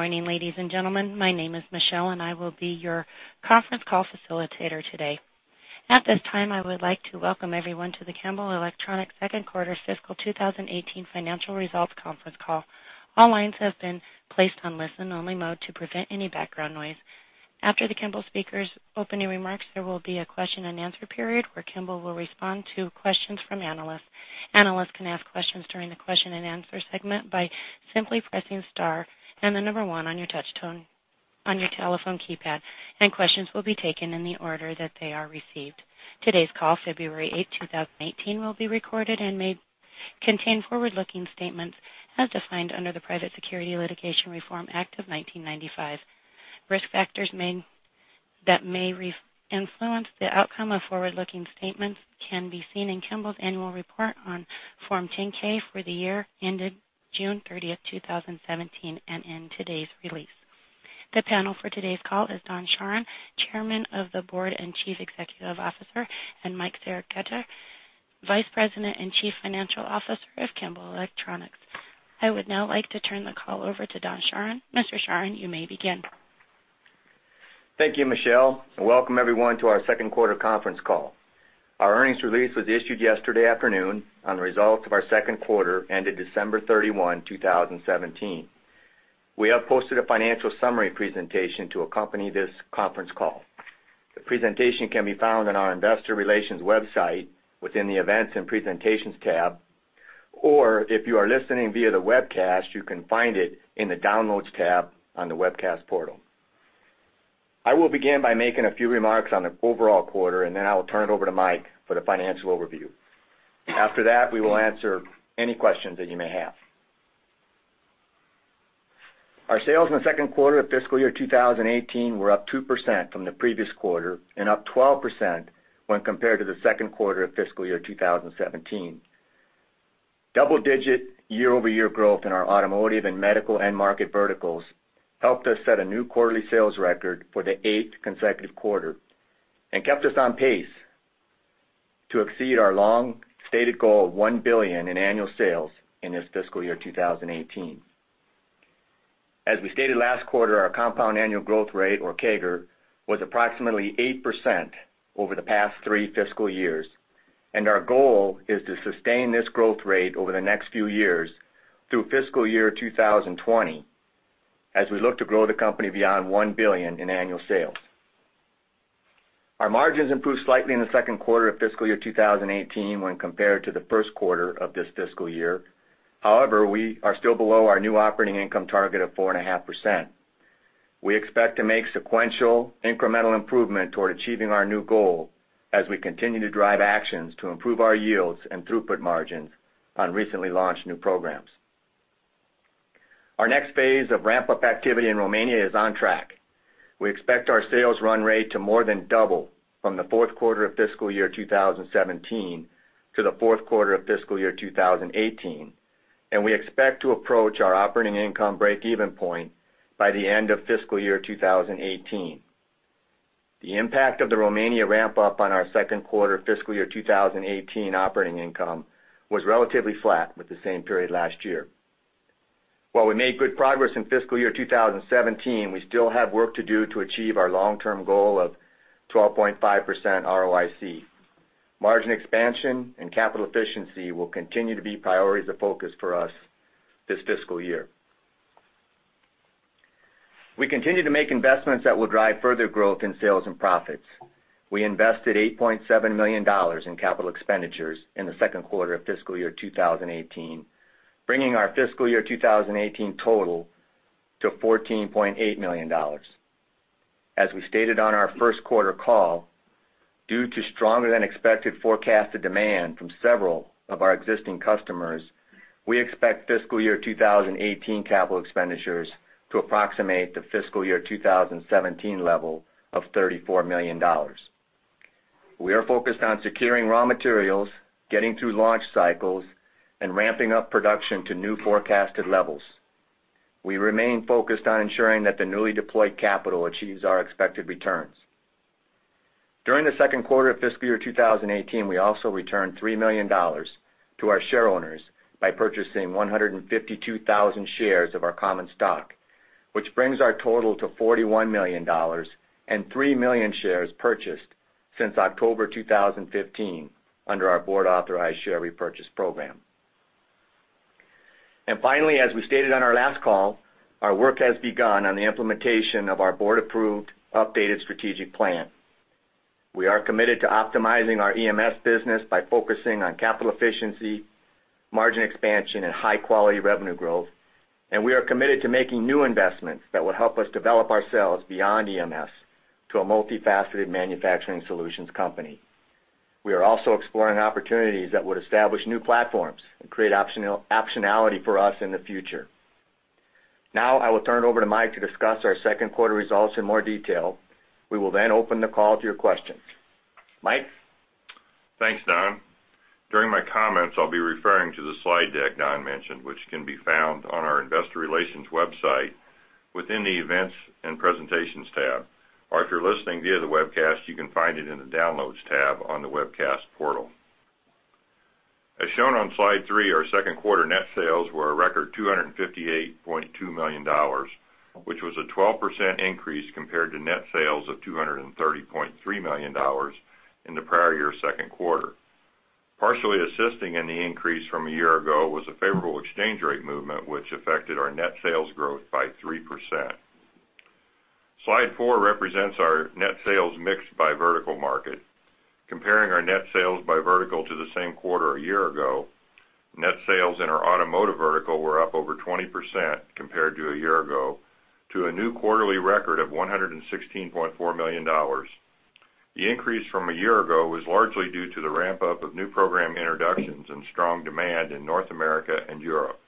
Good morning, ladies and gentlemen. My name is Michelle, and I will be your conference call facilitator today. At this time, I would like to welcome everyone to the Kimball Electronics second quarter fiscal 2018 financial results conference call. All lines have been placed on listen-only mode to prevent any background noise. After the Kimball speakers' opening remarks, there will be a question and answer period where Kimball will respond to questions from analysts. Analysts can ask questions during the question and answer segment by simply pressing star and the number one on your telephone keypad, and questions will be taken in the order that they are received. Today's call, February 8, 2018, will be recorded and may contain forward-looking statements as defined under the Private Securities Litigation Reform Act of 1995. Risk factors that may influence the outcome of forward-looking statements can be seen in Kimball's annual report on Form 10-K for the year ended June 30, 2017, and in today's release. The panel for today's call is Don Charron, Chairman of the Board and Chief Executive Officer, and Mike Sergesketter, Vice President and Chief Financial Officer of Kimball Electronics. I would now like to turn the call over to Don Charron. Mr. Charron, you may begin. Thank you, Michelle. Welcome everyone to our second quarter conference call. Our earnings release was issued yesterday afternoon on the results of our second quarter ended December 31, 2017. We have posted a financial summary presentation to accompany this conference call. The presentation can be found on our investor relations website within the Events and Presentations tab, or if you are listening via the webcast, you can find it in the Downloads tab on the webcast portal. I will begin by making a few remarks on the overall quarter. I will turn it over to Mike for the financial overview. After that, we will answer any questions that you may have. Our sales in the second quarter of fiscal year 2018 were up 2% from the previous quarter and up 12% when compared to the second quarter of fiscal year 2017. Double-digit year-over-year growth in our automotive and medical end market verticals helped us set a new quarterly sales record for the eighth consecutive quarter and kept us on pace to exceed our long stated goal of $1 billion in annual sales in this fiscal year 2018. As we stated last quarter, our compound annual growth rate, or CAGR, was approximately 8% over the past three fiscal years. Our goal is to sustain this growth rate over the next few years through fiscal year 2020 as we look to grow the company beyond $1 billion in annual sales. Our margins improved slightly in the second quarter of fiscal year 2018 when compared to the first quarter of this fiscal year. However, we are still below our new operating income target of 4.5%. We expect to make sequential, incremental improvement toward achieving our new goal as we continue to drive actions to improve our yields and throughput margins on recently launched new programs. Our next phase of ramp-up activity in Romania is on track. We expect our sales run rate to more than double from the fourth quarter of fiscal year 2017 to the fourth quarter of fiscal year 2018, and we expect to approach our operating income break-even point by the end of fiscal year 2018. The impact of the Romania ramp-up on our second quarter fiscal year 2018 operating income was relatively flat with the same period last year. While we made good progress in fiscal year 2017, we still have work to do to achieve our long-term goal of 12.5% ROIC. Margin expansion and capital efficiency will continue to be priorities of focus for us this fiscal year. We continue to make investments that will drive further growth in sales and profits. We invested $8.7 million in capital expenditures in the second quarter of fiscal year 2018, bringing our fiscal year 2018 total to $14.8 million. As we stated on our first quarter call, due to stronger than expected forecasted demand from several of our existing customers, we expect fiscal year 2018 capital expenditures to approximate the fiscal year 2017 level of $34 million. We are focused on securing raw materials, getting through launch cycles, and ramping up production to new forecasted levels. We remain focused on ensuring that the newly deployed capital achieves our expected returns. During the second quarter of fiscal year 2018, we also returned $3 million to our shareowners by purchasing 152,000 shares of our common stock, which brings our total to $41 million and 3 million shares purchased since October 2015 under our board-authorized share repurchase program. Finally, as we stated on our last call, our work has begun on the implementation of our board-approved, updated strategic plan. We are committed to optimizing our EMS business by focusing on capital efficiency, margin expansion, and high-quality revenue growth. We are committed to making new investments that will help us develop ourselves beyond EMS to a multifaceted manufacturing solutions company. We are also exploring opportunities that would establish new platforms and create optionality for us in the future. Now, I will turn it over to Mike to discuss our second quarter results in more detail. We will open the call to your questions. Mike? Thanks, Don. During my comments, I'll be referring to the slide deck Don mentioned, which can be found on our investor relations website within the Events and Presentations tab. Or if you're listening via the webcast, you can find it in the Downloads tab on the webcast portal. As shown on slide three, our second quarter net sales were a record $258.2 million, which was a 12% increase compared to net sales of $230.3 million in the prior year second quarter. Partially assisting in the increase from a year ago was a favorable exchange rate movement, which affected our net sales growth by 3%. Slide four represents our net sales mix by vertical market. Comparing our net sales by vertical to the same quarter a year ago, net sales in our automotive vertical were up over 20% compared to a year ago, to a new quarterly record of $116.4 million. The increase from a year ago was largely due to the ramp-up of new program introductions and strong demand in North America and Europe.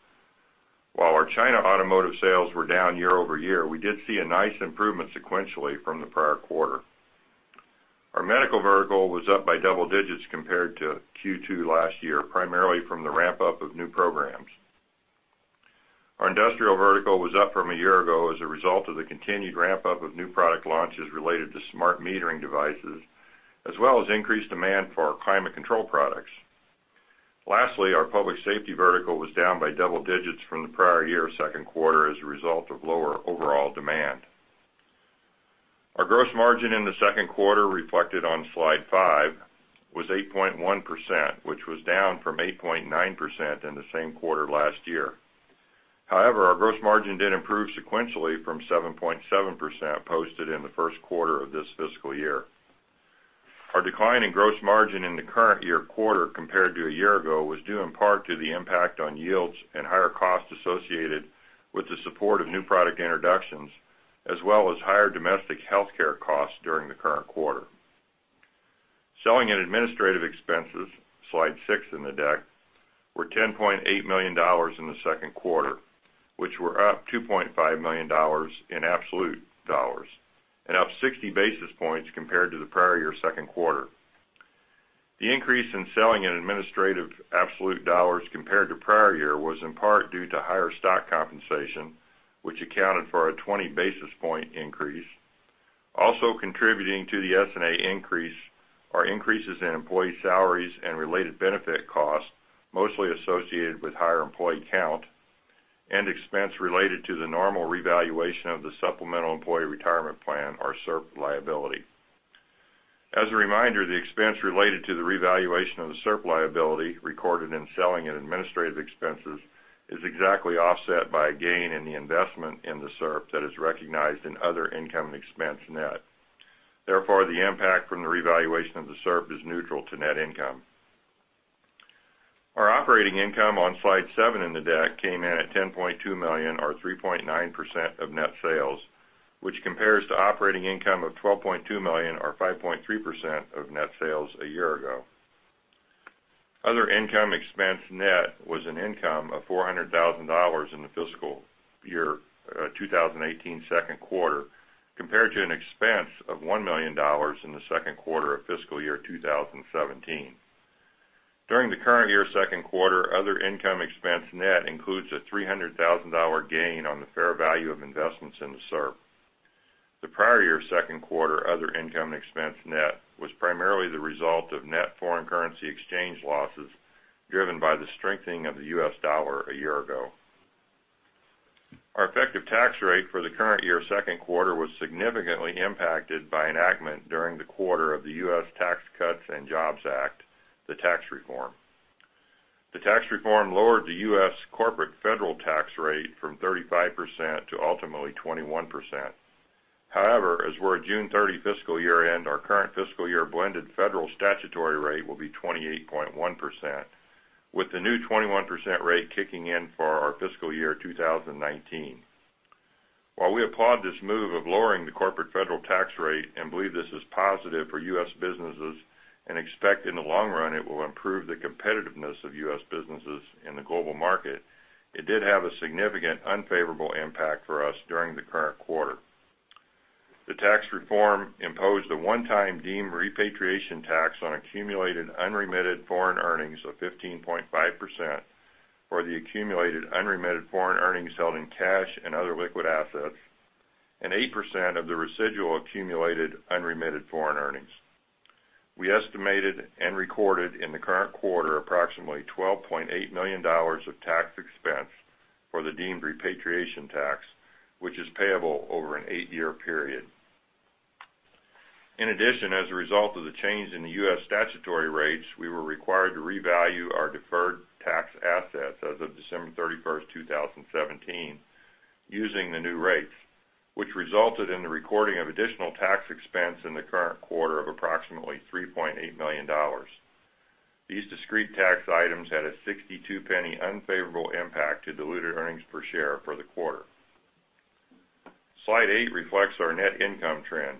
While our China automotive sales were down year-over-year, we did see a nice improvement sequentially from the prior quarter. Our medical vertical was up by double digits compared to Q2 last year, primarily from the ramp-up of new programs. Our industrial vertical was up from a year ago as a result of the continued ramp-up of new product launches related to smart metering devices, as well as increased demand for our climate control products. Our public safety vertical was down by double digits from the prior year second quarter as a result of lower overall demand. Our gross margin in the second quarter, reflected on slide five, was 8.1%, which was down from 8.9% in the same quarter last year. However, our gross margin did improve sequentially from 7.7% posted in the first quarter of this fiscal year. Our decline in gross margin in the current year quarter compared to a year ago was due in part to the impact on yields and higher costs associated with the support of new product introductions, as well as higher domestic healthcare costs during the current quarter. Selling and administrative expenses, slide six in the deck, were $10.8 million in the second quarter, which were up $2.5 million in absolute dollars and up 60 basis points compared to the prior year second quarter. The increase in selling and administrative absolute dollars compared to prior year was in part due to higher stock compensation, which accounted for a 20 basis point increase. Contributing to the S&A increase are increases in employee salaries and related benefit costs, mostly associated with higher employee count, and expense related to the normal revaluation of the supplemental employee retirement plan, our SERP liability. As a reminder, the expense related to the revaluation of the SERP liability recorded in Selling and Administrative expenses is exactly offset by a gain in the investment in the SERP that is recognized in other income and expense net. Therefore, the impact from the revaluation of the SERP is neutral to net income. Our operating income on slide seven in the deck came in at $10.2 million or 3.9% of net sales, which compares to operating income of $12.2 million or 5.3% of net sales a year ago. Other income expense net was an income of $400,000 in the fiscal year 2018 second quarter compared to an expense of $1 million in the second quarter of fiscal year 2017. During the current year second quarter, other income expense net includes a $300,000 gain on the fair value of investments in the SERP. The prior year second quarter other income expense net was primarily the result of net foreign currency exchange losses driven by the strengthening of the U.S. dollar a year ago. Our effective tax rate for the current year second quarter was significantly impacted by enactment during the quarter of the U.S. Tax Cuts and Jobs Act, the Tax Reform. The Tax Reform lowered the U.S. corporate federal tax rate from 35% to ultimately 21%. However, as we're a June 30 fiscal year-end, our current fiscal year blended federal statutory rate will be 28.1%, with the new 21% rate kicking in for our fiscal year 2019. While we applaud this move of lowering the corporate federal tax rate and believe this is positive for U.S. businesses and expect in the long run it will improve the competitiveness of U.S. businesses in the global market, it did have a significant unfavorable impact for us during the current quarter. The Tax Reform imposed a one-time deemed repatriation tax on accumulated unremitted foreign earnings of 15.5% for the accumulated unremitted foreign earnings held in cash and other liquid assets and 8% of the residual accumulated unremitted foreign earnings. We estimated and recorded in the current quarter approximately $12.8 million of tax expense for the deemed repatriation tax, which is payable over an eight-year period. In addition, as a result of the change in the U.S. statutory rates, we were required to revalue our deferred tax assets as of December 31, 2017, using the new rates, which resulted in the recording of additional tax expense in the current quarter of approximately $3.8 million. These discrete tax items had a $0.62 unfavorable impact to diluted earnings per share for the quarter. Slide eight reflects our net income trend.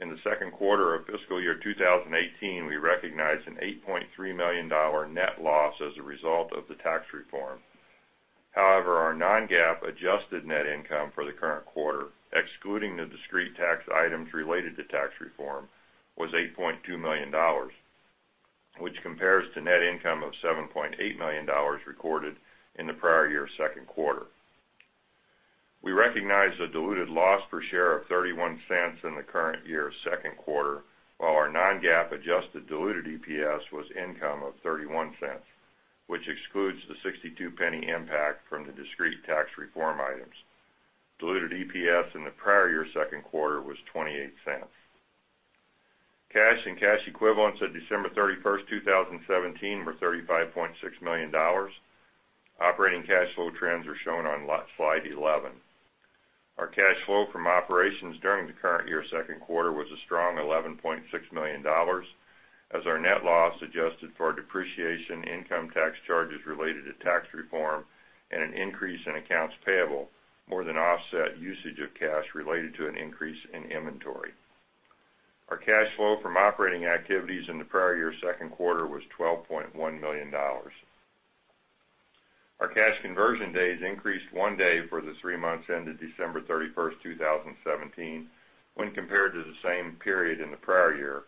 In the second quarter of fiscal year 2018, we recognized an $8.3 million net loss as a result of the Tax Reform. However, our non-GAAP adjusted net income for the current quarter, excluding the discrete tax items related to Tax Reform, was $8.2 million, which compares to net income of $7.8 million recorded in the prior year second quarter. We recognize the diluted loss per share of $0.31 in the current year's second quarter, while our non-GAAP adjusted diluted EPS was income of $0.31, which excludes the $0.62 impact from the discrete tax reform items. Diluted EPS in the prior year's second quarter was $0.28. Cash and cash equivalents at December 31st, 2017, were $35.6 million. Operating cash flow trends are shown on slide 11. Our cash flow from operations during the current year's second quarter was a strong $11.6 million, as our net loss adjusted for depreciation income tax charges related to tax reform and an increase in accounts payable more than offset usage of cash related to an increase in inventory. Our cash flow from operating activities in the prior year's second quarter was $12.1 million. Our cash conversion days increased one day for the three months ended December 31st, 2017, when compared to the same period in the prior year,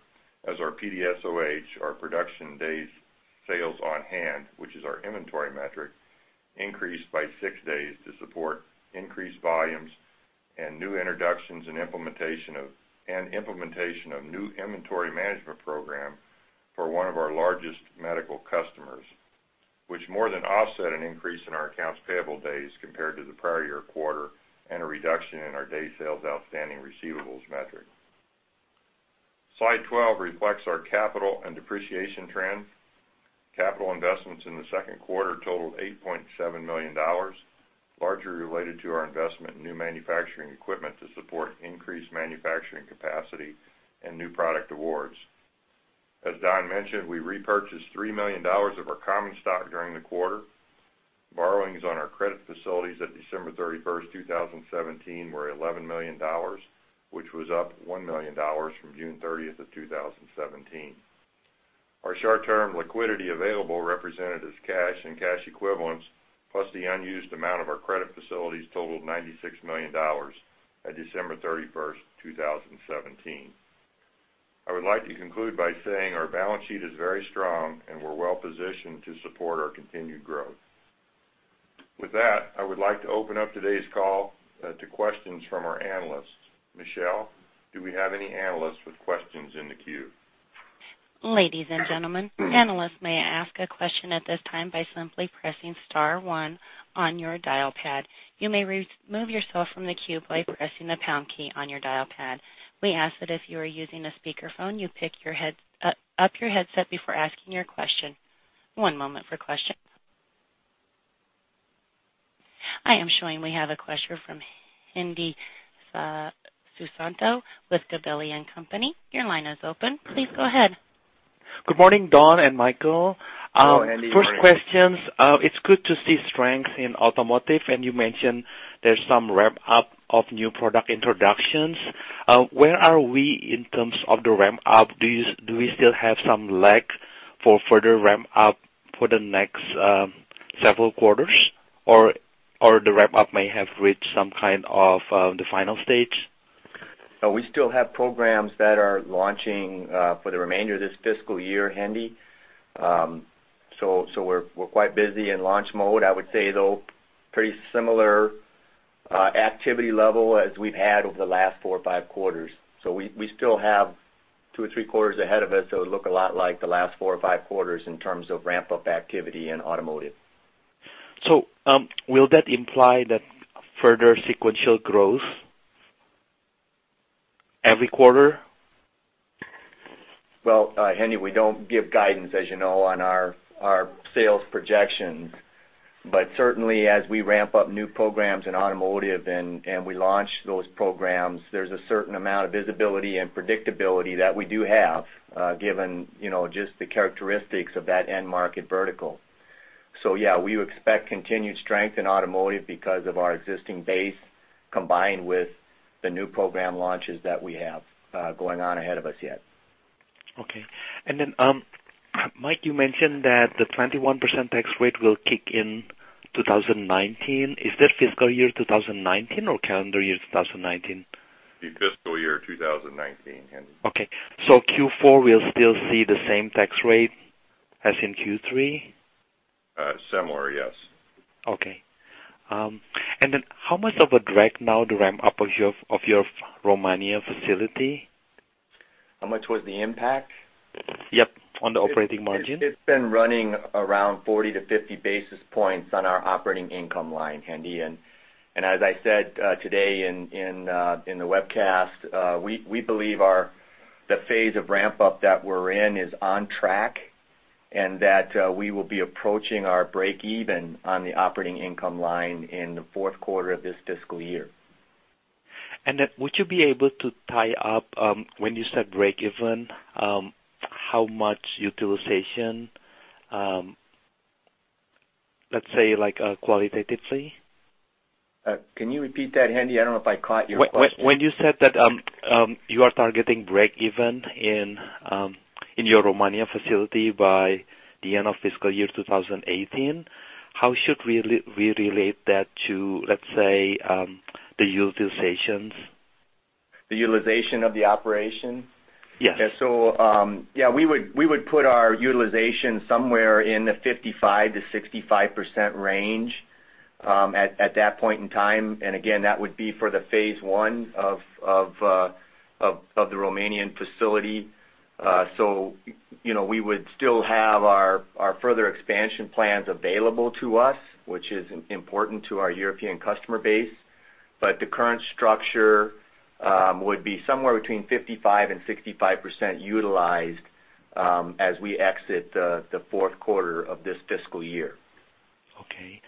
as our PDSOH, our production days sales on hand, which is our inventory metric, increased by six days to support increased volumes and new introductions and implementation of new inventory management program for one of our largest medical customers, which more than offset an increase in our accounts payable days compared to the prior year quarter and a reduction in our day sales outstanding receivables metric. Slide 12 reflects our capital and depreciation trends. Capital investments in the second quarter totaled $8.7 million, largely related to our investment in new manufacturing equipment to support increased manufacturing capacity and new product awards. As Don mentioned, we repurchased $3 million of our common stock during the quarter. Borrowings on our credit facilities at December 31st, 2017, were $11 million, which was up $1 million from June 30th of 2017. Our short-term liquidity available represented as cash and cash equivalents, plus the unused amount of our credit facilities totaled $96 million at December 31st, 2017. I would like to conclude by saying our balance sheet is very strong, and we're well-positioned to support our continued growth. With that, I would like to open up today's call to questions from our analysts. Michelle, do we have any analysts with questions in the queue? Ladies and gentlemen, analysts may ask a question at this time by simply pressing star one on your dial pad. You may remove yourself from the queue by pressing the pound key on your dial pad. We ask that if you are using a speakerphone, you pick up your headset before asking your question. One moment for questions. I am showing we have a question from Hendi Susanto with Gabelli & Company. Your line is open. Please go ahead. Good morning, Don and Mike. Hello, Hendi. Good morning. First questions. It's good to see strength in automotive, you mentioned there's some ramp-up of new product introductions. Where are we in terms of the ramp-up? Do we still have some lag for further ramp-up for the next several quarters, or the ramp-up may have reached some kind of the final stage? We still have programs that are launching for the remainder of this fiscal year, Hendi. We're quite busy in launch mode. I would say, though, pretty similar activity level as we've had over the last four or five quarters. We still have two or three quarters ahead of us that would look a lot like the last four or five quarters in terms of ramp-up activity in automotive. Will that imply that further sequential growth every quarter? Well, Hendi, we don't give guidance, as you know, on our sales projections. Certainly, as we ramp up new programs in automotive and we launch those programs, there's a certain amount of visibility and predictability that we do have, given just the characteristics of that end market vertical. Yeah, we expect continued strength in automotive because of our existing base combined with the new program launches that we have going on ahead of us yet. Okay. Then, Mike, you mentioned that the 21% tax rate will kick in 2019. Is that fiscal year 2019 or calendar year 2019? The fiscal year 2019, Hendi. Okay. Q4, we'll still see the same tax rate as in Q3? Similar, yes. Okay. How much of a drag now the ramp-up of your Romania facility? How much was the impact? Yep, on the operating margin. It's been running around 40 to 50 basis points on our operating income line, Hendi. As I said today in the webcast, we believe the phase of ramp-up that we're in is on track and that we will be approaching our break even on the operating income line in the fourth quarter of this fiscal year. Would you be able to tie up, when you said break even, how much utilization, let's say, like qualitatively? Can you repeat that, Hendi? I don't know if I caught your question. When you said that you are targeting break even in your Romania facility by the end of fiscal year 2018, how should we relate that to, let's say, the utilizations? The utilization of the operation? Yes. We would put our utilization somewhere in the 55%-65% range at that point in time. Again, that would be for the phase 1 of the Romanian facility. We would still have our further expansion plans available to us, which is important to our European customer base. The current structure would be somewhere between 55% and 65% utilized as we exit the fourth quarter of this fiscal year. Okay.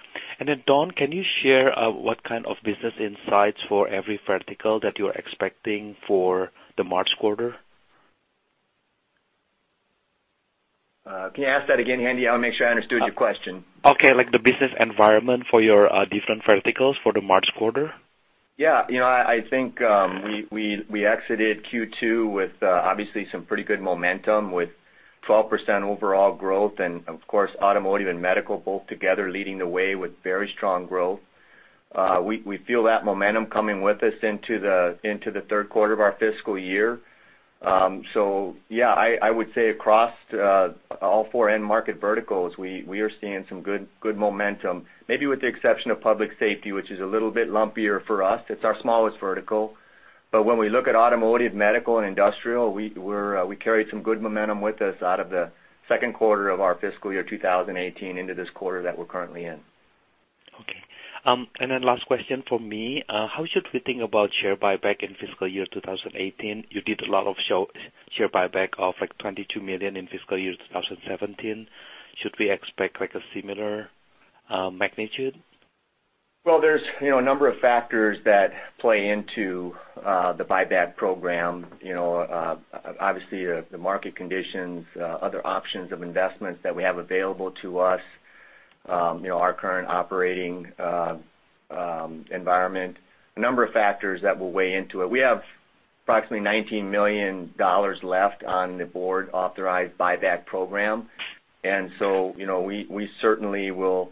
Don, can you share what kind of business insights for every vertical that you're expecting for the March quarter? Can you ask that again, Hendi? I want to make sure I understood your question. Okay. Like the business environment for your different verticals for the March quarter. Yeah. I think we exited Q2 with obviously some pretty good momentum with 12% overall growth and of course, automotive and medical both together leading the way with very strong growth. We feel that momentum coming with us into the third quarter of our fiscal year. Yeah, I would say across all four end market verticals, we are seeing some good momentum, maybe with the exception of public safety, which is a little bit lumpier for us. It's our smallest vertical. When we look at automotive, medical, and industrial, we carried some good momentum with us out of the second quarter of our fiscal year 2018 into this quarter that we're currently in. Okay. Then last question from me. How should we think about share buyback in fiscal year 2018? You did a lot of share buyback of like $22 million in fiscal year 2017. Should we expect a similar magnitude? Well, there's a number of factors that play into the buyback program. Obviously, the market conditions, other options of investments that we have available to us, our current operating environment, a number of factors that will weigh into it. We have approximately $19 million left on the board authorized buyback program. We certainly will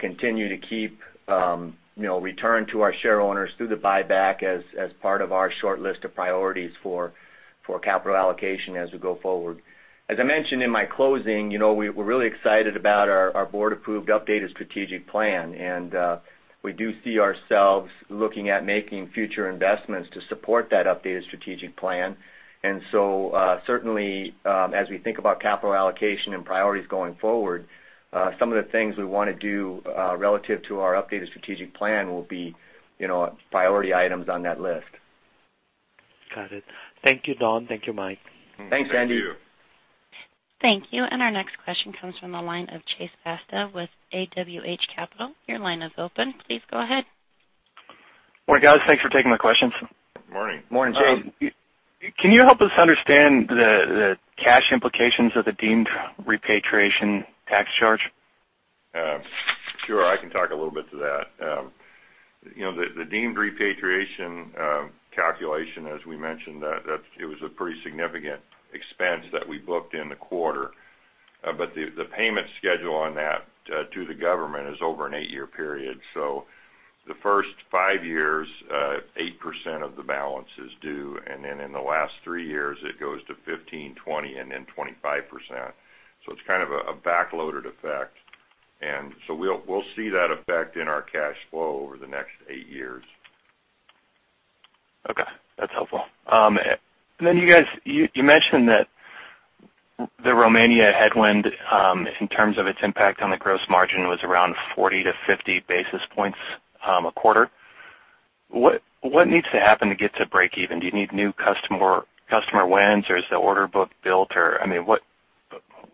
continue to keep return to our share owners through the buyback as part of our short list of priorities for capital allocation as we go forward. As I mentioned in my closing, we're really excited about our board-approved updated strategic plan. We do see ourselves looking at making future investments to support that updated strategic plan. Certainly, as we think about capital allocation and priorities going forward, some of the things we want to do relative to our updated strategic plan will be priority items on that list. Got it. Thank you, Don. Thank you, Mike. Thanks, Hendi. Thank you. Thank you. Our next question comes from the line of Chase Basta with AWH Capital. Your line is open. Please go ahead. Morning, guys. Thanks for taking my questions. Morning. Morning. Can you help us understand the cash implications of the deemed repatriation tax charge? Sure, I can talk a little bit to that. The deemed repatriation calculation, as we mentioned, it was a pretty significant expense that we booked in the quarter. The payment schedule on that to the government is over an eight-year period. The first five years, 8% of the balance is due, then in the last three years, it goes to 15%, 20%, and then 25%. It's kind of a backloaded effect. We'll see that effect in our cash flow over the next eight years. That's helpful. You guys, you mentioned that the Romania headwind in terms of its impact on the gross margin was around 40 to 50 basis points a quarter. What needs to happen to get to breakeven? Do you need new customer wins, or is the order book built?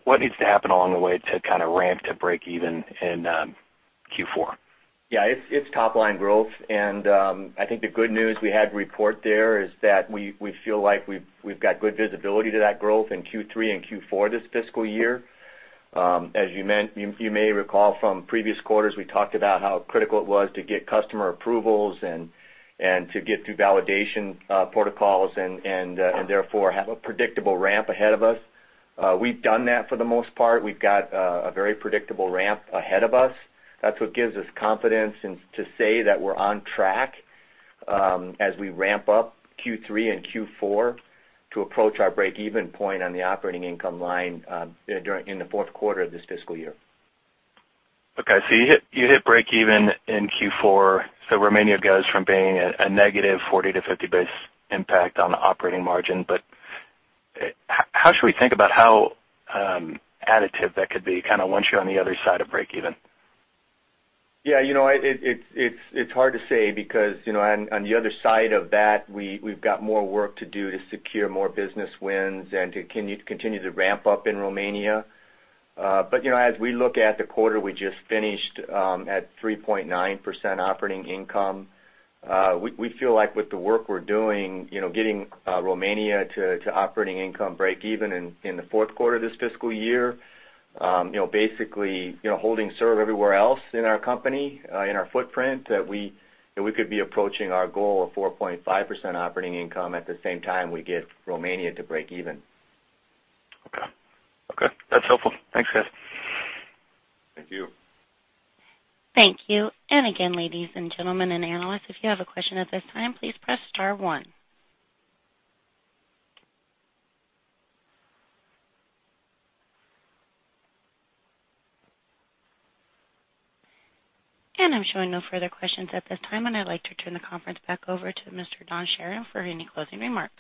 What needs to happen along the way to kind of ramp to breakeven in Q4? It's top-line growth. I think the good news we had to report there is that we feel like we've got good visibility to that growth in Q3 and Q4 this fiscal year. As you may recall from previous quarters, we talked about how critical it was to get customer approvals and to get through validation protocols and therefore have a predictable ramp ahead of us. We've done that for the most part. We've got a very predictable ramp ahead of us. That's what gives us confidence to say that we're on track as we ramp up Q3 and Q4 to approach our breakeven point on the operating income line in the fourth quarter of this fiscal year. You hit breakeven in Q4. Romania goes from being a negative 40 to 50 base impact on the operating margin. How should we think about how additive that could be kind of once you're on the other side of breakeven? It's hard to say because on the other side of that, we've got more work to do to secure more business wins and to continue to ramp up in Romania. As we look at the quarter we just finished at 3.9% operating income, we feel like with the work we're doing, getting Romania to operating income breakeven in the fourth quarter of this fiscal year, basically holding serve everywhere else in our company, in our footprint, that we could be approaching our goal of 4.5% operating income at the same time we get Romania to breakeven. Okay. That's helpful. Thanks, guys. Thank you. Thank you. Again, ladies and gentlemen and analysts, if you have a question at this time, please press star 1. I'm showing no further questions at this time, and I'd like to turn the conference back over to Mr. Don Charron for any closing remarks.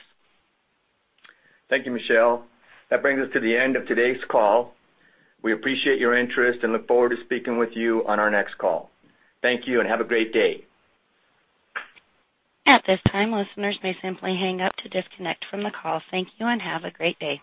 Thank you, Michelle. That brings us to the end of today's call. We appreciate your interest and look forward to speaking with you on our next call. Thank you and have a great day. At this time, listeners may simply hang up to disconnect from the call. Thank you and have a great day.